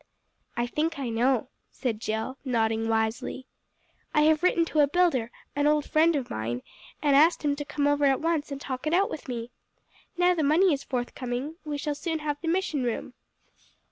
"I think I know," said Jill, nodding wisely. "I have written to a builder, an old friend of mine, and asked him to come over at once and talk it out with me. Now the money is forthcoming we shall soon have the mission room."